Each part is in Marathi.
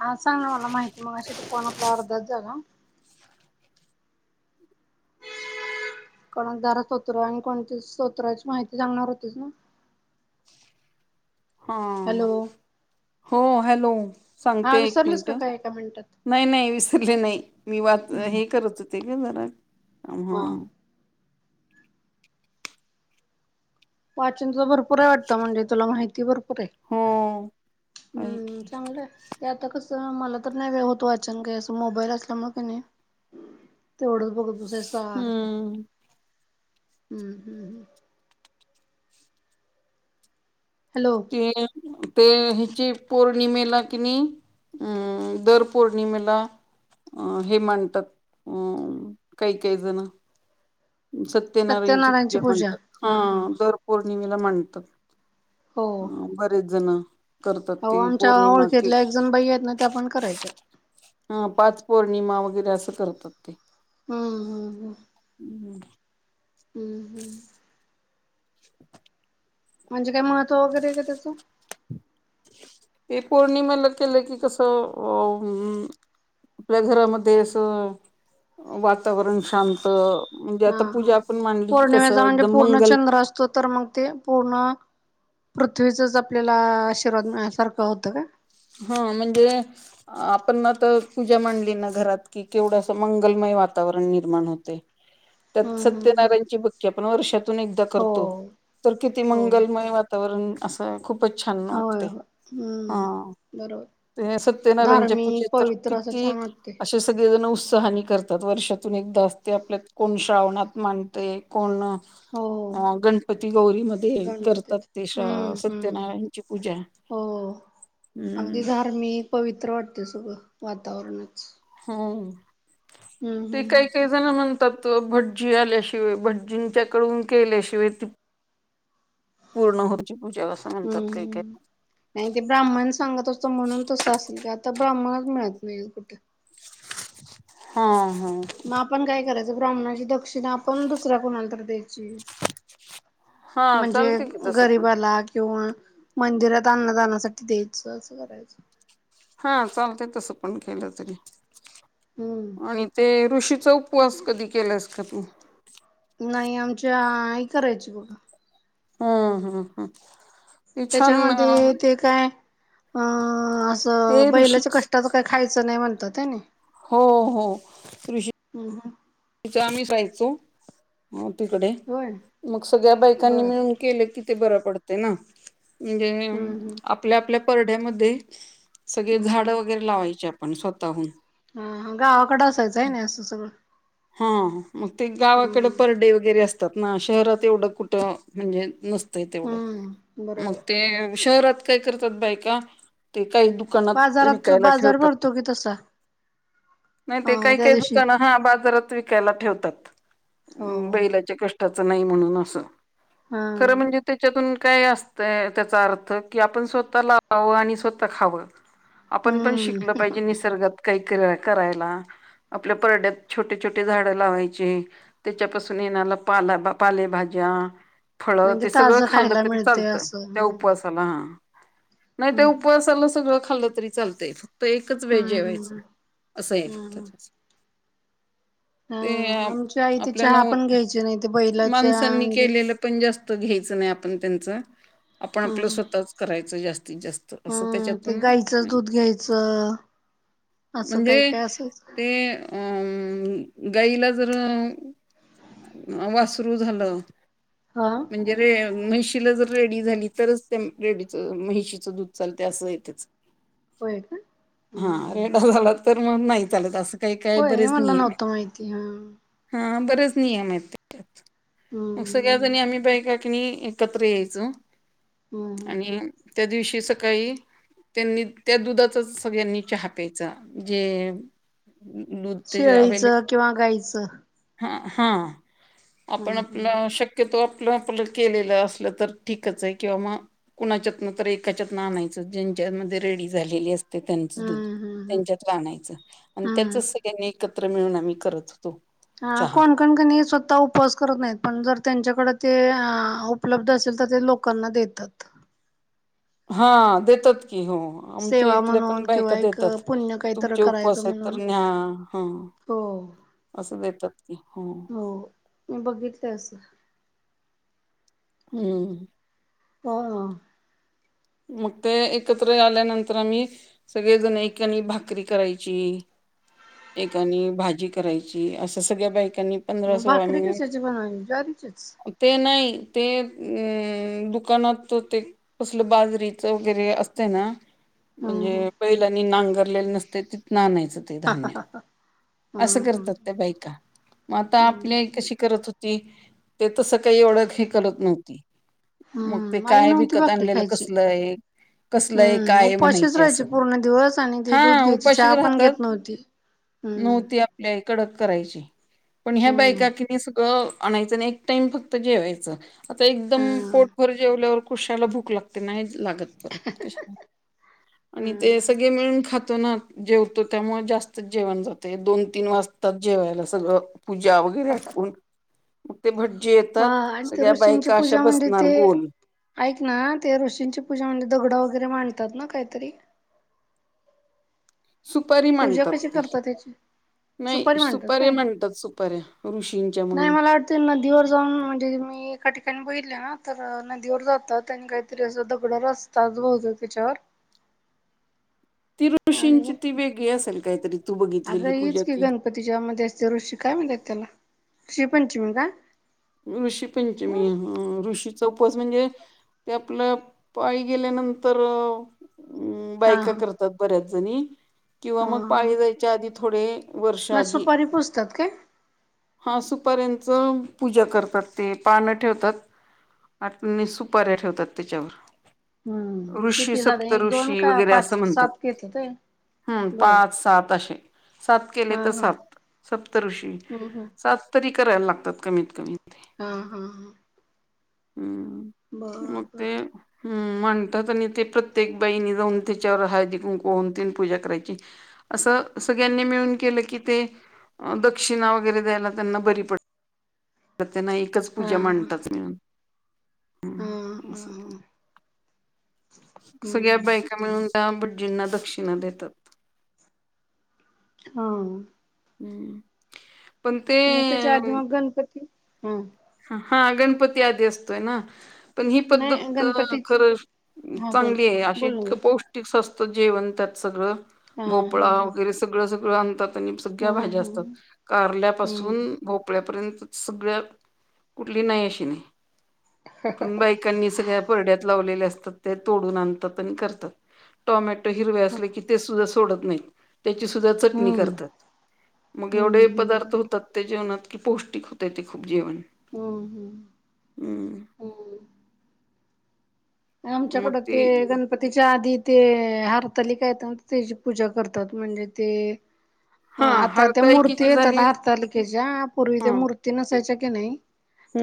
हा सांगा मला माहिती मगाशी अ ते फोन आपला अर्धाच झाला. कोण गणेेश स्तोत्र आणि कोणती स्तोत्राची माहिती सांगणार होतीस ना. हा हॅलो हो हॅलो हा सांगते एक विसरलीस का मिनिटं. काय एका मिनिटात नाही नाही विसरले नाही मी वा हम्म हे करत होते का जरा. हा. वाचन त भरपूर आहे वाटतं म्हणजे तुला माहिती भरपूर आहे हो काही हम्म चांगलं. ते आता कसं मला तर नाही वेळ होत वाचनकही असं मोबाईल असल्यामुळे क नाही. तेवढं च बघत बसायचं. हम्म हॅलो! ते हिची पौर्णिमेला कि नाही. हम्म दर पौर्णिमेला. अ हे म्हणतात अ काही काही जण. सत्यनारायणची पूजा म्हणतात हा बर. पौर्णिमेला म्हणतात बरेच जण. करतात अ ते आमच्या पौर्णिमा कि ओळखीतल्या एक जण बाई आहेत ना त्या पण करायच्या. हा पाच पौर्णिमा वगैरे असं करतात ते. हम् हम् हम. हम्. हम्म हम्म. म्हणजे काय महत्व वगैरे का त्याचं. हे पूर्णिमा लग केे ल क कसं. आपल्या घरामध्ये असं वातावरण शांत हा आता हा पूजा आपण मांडली की कसं पौर्णिमेचा म्हणजे एकदम पूर्ण मंगल चंद्र असतो तर मग ते. पूर्ण पृथ्वीचच आपल्याला आशीर्वाद मिळण्यासारखं होतं का. हा म्हणजे. आपण आता पूजा मांडली ना घरात कि केवढस मंगलमय वातावरण निर्माण होते. [unintelligible] त्यात हम्म. सत्यनारायणची बघ की आपण वर्षातून एकदा हो करतो तर किती हो मंगलमय. ववरून असं खूपच छान होय वाटते हो हा. हम्म [unintelligible] ते सत्यनारायच्या पूजेत धार्मिक तर पवित्र असं किती छान वाटते अ- ते सगळे जण उत्साहानी करतात वर्षातून एकदा असते, आपल्यात कोण श्रावणात मानतय कोण- हो अ.. गणपती गौरीमध्ये करतात गणपतीत ते हम्म हम्म सत्यनारायणची पूजा. हो, अगदी हम्म धार्मिक पवित्र वाटते सगळं वातावरणच. हम हम्म [unintelligible] हम्म ते हम्म. काही ते- जण म्हणतात, भटजी आल्याशिवाय भटजींच्याकडून केल्याशिवाय त- पूर्ण होची पूजास् [unintelligible] हं, हं. नाही ते, ब्राह्मण सांगत असतो म्हणून तसं असेल की, आता ब्राह्मणच मिळत नाहीे कुठे. हा, हा. मग आपण काय करायचं, ब्राह्मणाची दक्षिणा आपण दुसऱ्या कुणाला तर द्याय- ची, हा म्हणजे चालते की तसं पण गरीबाला किंवा- मंदिरात अन्नदानासाठी द्यायचं असं करायचं. हा, चालत तस पण केलं तरी हम्म आणि- ते ऋषीचा उपवास कधी केलास का तू? नाही, आमच्या आई करायची बघ. हं, हं, हम. त्याच्यामध्ये ते काय अ.. असं ते बैलाच्या ऋषीच कष्टाच- काय खायचं नाही म्हणतात हे नाही. हो, हो. हम् ह [unintelligible] तिथं आम्ही जायचो, म तिकडे होय मग सगळ्या बायकांनी बर मिळून- केलं कि ते बरं पडते ना, म्हणजे हम्म हम्म आपल्या, आपल्या परडेमध्ये- सगळे हम्म हम्म. झाड वगैरे लावायची आपण स्वतःहून. हा, गावाकड असायचं आहे ना, असं सगळं? हा, हा, मग ते गावाकडे हम्म परडे वगैरे असत. ना शहरात एवढं कुठ म्हणजे नसतंय तेवढं, हम्म मग बरोबर ते- शहरात काय करतात, बायका ते काही- दुकानात बाजारात विकायला बाजार ठेवतात. भरतो की तसा नाही ते हा काही, त्या काही दिवशी दुकानं हा बाजारात- [unintelligible] विकायला ठेवतात, हो बैलाच्या कष्टाच नाही म्हणून असं. हा खरं म्हणजे- त्याच्यातून काय असतं त्याचा अर्थ की, आपण स्वतः लावावं आणि स्वतः खावं. ह [inaudible] आपण पण शिकल पाहिजे निसर्गात काहीतर करायला, आपल्या परड्यात छोटे- छोटे झाड लावायचे, त्याच्यापासून येणारला [unintelligible] पाला पालेभाज्या- फळ म्हणजे ते सगळं ताजं खाल्ल खायला तरी मिळते चालतं असं त्या हम्म उपस- साला नाही ते, हम्म उपवासाला सगळं खाल्लं तरी चालतय. तर एकच वेळच जेवायचं हम्म असं हम्म हेत. हम्म हा ते आमची आई ते आपल्यान चहा पण घ्यायची नाही ते बैलाच्या माणसांनी म्हणजे केलेलं- पण जास्त घ्यायचं नाही आपण त्यांच, आपण आपलं हम्म स्वतःच करायचं जास्तीत जास्त. असं हम्म, ते त्याच्यातून गाईचं दूध घ्यायचं. असं काय म्हणजे काय असायच ते- अं गाईला जर वासरू झालं- हा म्हणजे- रे म्हैशीला जर रेडी झाली तरच रेडीच म्हैशीचं दूध चालते असं आहे त्याच. ह. हा रेडा झाला तर मग नाही ल असं काही काय होय हे बरेच मला नियम नव्हतं माहिती हा. हा बरेच नियम आहेत त्याच्यात मग सगळ्या हम्म जणी आम्ही बाका णी एकत्र यायच हम्म हम्म आणि त्या दिवशी सकाळी त्यांनी त्या दुधाचा सगळ्यांनी चहा प्यायचा जे शेळीचं किंवा गाईचं ह हा आपण हम्म हम्म आपलं शक्य तो आपलं आपलं केलेलं असलं तर ठीकच आहे किंवा मग कुणाच्यातन तर एकाच्यातन आणायचं ज्यांच्यामध्ये रेडी झालेली असते. ते त्यांच दूध हम्म हम्म त्यांच्यात आणायचं आणि हम्म त्याचच सगळ्यांनी एकत्र मिळून आम्ही करत. होतो हा चहा. कोण णकणी स्वतः उपवास करत नाहीत पण जर त्यांच्याकडे ते उपलब्ध असेल तर ते लोक लोकांना देतात. हा देतात की हो. आमच्या सेवा इथल्या पण म्हणून बायका किंवा एक देतात पुण्य काहीतरी तुमचे उपवास करायचं आहेत तर म्हणून न्या हा. हो. असं देतात की हो. हो मी बघितलंय असं. हम्म. ह. मग ते एकत्र आल्यानंतर आम्ही. सगळेजण एककानी भाकरी करायची. एकानी भाजी करायची असं सगळ्या बाईकांनी मग भाकरी कशाची बनवी ज्वारीचीच. ते नाही ते अ दुकानात ते कसलं बाज बेचवगिरी वगैरे असते ना म्हणजे हम्म बैलांनी नांगरलेले नसते तिथ ना आणयचं. हम्म धान्य असं हम्म हम्म करतात ते बाईका. मग आता आपली आई हम्म कशी करत होती ते तसं काय एवढं हे करत नव्हती. मग ते हम्म आई काय नव्हती विकत भाकरी आणलेलं खायची कसल आहे. कसलय हम्म काय उपवाशीच म्हणायचे अस राहायची पूर्ण दिवस आणि ती हा दूध घ्यायची उपशीच चहा पण राहतात. घेत नव्हती. हम्म नव्हती आपल्या कडक करायची पण ह्या बायका हम्म कि गळं आणायच एक टाइम फक्त जेवायच आता एकदम हम्म पोटभर जेवल्यावर कशाला भूक लागते नाही लागत परत क आणि हम्म. सगळे मिळून खातो ना जेवतो त्यामुळे जास्तच जेवण जात. ते दोन तीन वाजतात जेवायला सगळं पूजा वगैरे आटकून मग ते भड जे हा येतात आणि ते सगळ्या ऋषींची बायका अशा पूजा म्हणजे बसणार ते गोल. ऐक ना ते ऋषींची पूजा म्हणजे दगडा वगैरे मांडतात ना काहीतरी. सुपरी पूजा मांडतात कशी ते. करतात त्याची नाही सुपारी मांडतात सुपार्या काय? म्हणतात सुपऱ्या ऋषींच्या म्हणून. ते नदीवर जाऊन म्हणजे मी एका ठिकाणी बघितले ना तर नदीवर जातात आणि काहीतरी असं दगड र असत. तच ब होत होतेिच्यावर. ति ऋशींची ती वेगळी असेल काही तरी. अग हीच की गणपती जेमध्येध्ये असते ऋषी काय म्हणतात त्याला ऋषी पंचमी काय? ऋषी पंचमी ऋषी चौपच म्हणजे ते आपल्या पायी गेल्यानंतर हम् हा बायका हा करतात बऱ्याच जणी किंवा हा मग हा पाळी जायच्या आधी थोडे वर्ष आधी दुपारी पोजतात का हा सुूपर्यंतंत पूजा करतात ते पानं ठेवतात आणि आणि सुपाऱ्या ठेवतात त्याच्यावर हम्म ऋषी किती साध एक दोन सप्तऋषी का वगैरे पाच असं म्हणतात सात घेत ते हम्म पाच सात असे सात केले हा तर हा सात सप्त ऋषी हम्म हम्म सात तरी करायला लागतात कमीत कमी हा हा हा हम् बर म बर ते हम् म्हणतात आणि ते प्रत्येक बईणी जाऊन त्याच्यावर हळदी कून कोून त पूजा करायची असं सगळ्यांनी मिळून केलं की ते दक्षिणा वगैरे द्यायला त्यांना बरी पड तर त्यांना एकच हा पूजा हा म्हणतात मिळून हा हा अस हा सगळ्या हम्म बायका मिळून त्या भट्जींना दक्षिणा देतात हा हम्म पण त्याच्या आधी ते मग गणपती हा हा गणपती आधी असतोय ना पण ही नाही पद्धत गणपती खरं हा बोल चांगली आहे अशी बोल ना इतकं बोल पौष्ट स्स्त जेवण त्यात सगळं हा हा भोपळा हा वगैरे सगळं सगळं आणतात सगळ्या हम्म भाज्या असतात हम्म कारल्यापासून हम्म भोपळ्यापर्यंत सगळ्या कुठली नाही अशी नाही कुठून बायकांनी सगळ्या ड तम हि ते सुद्धा सोडत नाही त्याची सुद्धा चटणी हम्म करतात मग हम्म एवढे पदार्थ हम्म होतात त्या जेवणात की पौष्टिक होतय ते खूप जेवण हम्म हम्म हम् होम आम मग चकडात ती गणपतीच्या आधी ते हरताली कायेत त्याची पूजा करतात म्हणजे ते हा ह आता त्या मूर्ती हरताळकीची येतात झाली हरतालिकेच्या पूर्वी त्या ह मूर्ती नसायच्या की नाही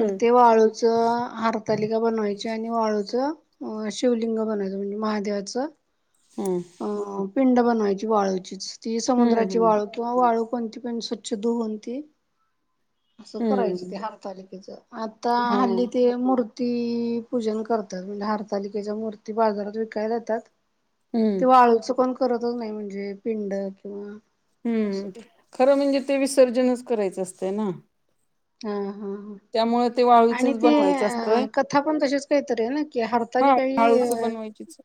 तर ते वाळूचं हरतालिका बनवायची आणि वाळूचं शिवलिंग बनायचं म्हणजे महादेवाचं हम अ पिंड बनवायची वाळूचीच ती हम्म समुद्राची वाळू किंवा वाळू कोणती पण स्वच्छ धुवती असं करायच हम्म ते हरतालिकेच आता हल्ली हम्म ते मूर्ती ती पूजन करतात म्हणजे हरतालिकेच्या मूर्ती बाजारात विकायला येतात हम्म ते वाळूच कोण करतच नाही म्हणजे पिंड किंवा असं हम्म ते खरं म्हणजे ते विसर्जनच करायचं असतं ना हा हा त्यामुळे ते ह आणि वाळूचच ते बनवायचं अ असतंय कथा पण तशीच काहीत आहे ना कि हरताली हा काही अ वाळूच बनवायचीच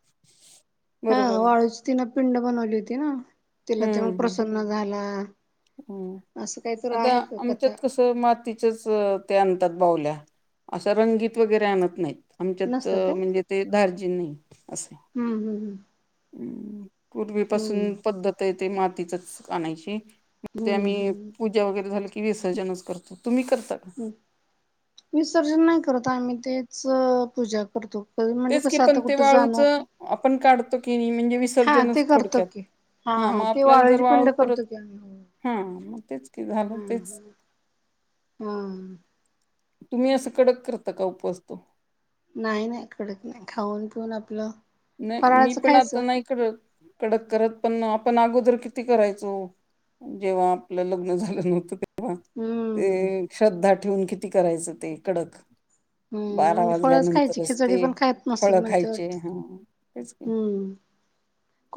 हा बरोबर आहे वाळूची तिन पिंड बनवली होती ना? तिला ते मग प्रसन्न झाला. हम् असं काहीतर आता आहे का आमच्यात कथा कस? मातीच्याच ते आणतात बावल्या असशा रंगीत वगैरे आणत नाहीत. आमच्यात नसतं म्हणजे ते धार्जिन नाई अस. हम् हम् हम हम् पूर्वीपासून पद्धत आहे ते, मातीचच आणायची. मग ते हम्म हम्म आम्ही हम्म पूजा वगैरे झाल की विसर्जनच करतोय, तुम्ही करता का? विसर्जन नाही करत आम्ही तेच पूजा करतो. म्हणजे तेच की कसं पण आता ते कुठं वाळूच जाणं आपण काढतो की नायी म्हणजे हा ते विसर्जनच करतो थोडक्यात. की हा मग ते आपल्याला जर वाळूची वालु पिंड परत करतो की आम्ही हा मग तेच कि झालं हा तेच हा तुम्ही असं कडक करता का उपवास तो? नाय नाय कडक नाय खाऊन पिऊन आपलं नाही मी फराळाचं पण खायचं आता नाही कड कडक करत पण आपण अगोदर किती करायचो. जेव्हा आपलं लग्न झालं नव्हतं तेव्हा. हम्म ते श्रद्धा ठेवून किती करायचं ते कडक? हम्म बारा म्हणजे फळच खायची वाजल्यानंतरच खिचडी ते पण खायत नसत फळ म्हणते खायचे वाटत हा तेच की हम्म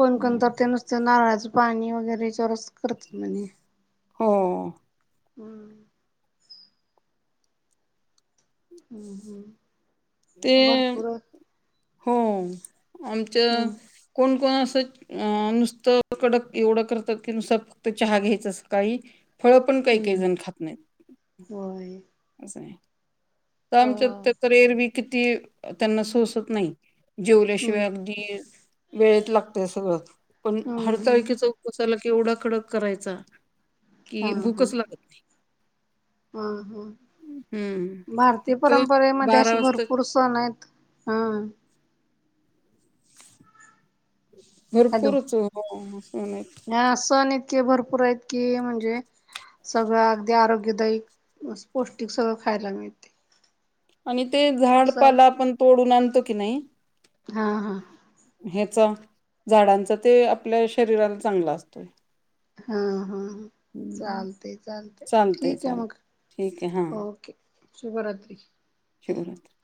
कोण कोण हं. तर ते नुसते नारळाचं पाणी वगैरे च रस करतत मणे हो हम् हम् ते हम् भरपूर हो आमच हम्म कोण कोण असं अं नुसतं कडक एवढं करतात की नुसतं फक्त चहा घ्यायचं सकाळी. फळ पण काही काही हम्म जण खात नाहीत. होय. असं हाय आमच्या ह तर एरवी किती त्यांना सोसत नाही हम्म जेवल्याशिवाय अगदी वेळेत लागतय सगळं. पण हम्म हम्म हरतालिकेचा उपवास एवढा कडक करायचा हा कि हा भूकच लागत नाही हा हा हम्म भारतीय तर परंपरेमध्ये बारा अशी वाजता भरपूर सण हायत हा भरपूर [unintelligible] ह सण इतके भरपूर आहेत की म्हणजे सगळं अगदी आरोग्यदायीक पौष्टिक सगळं खायला मिळतय. आणि ते झाडपाला आपण तोडून आणतो की नाही? हा हा ह्याचा झाडांच ते आपल्या शरीराला चांगला असतोय. हा हा चालतंय चालतंय चालतय ठीक आहे चालतय मग, ठीक आहे हा ओके शुभरात्री. सुभरात्र.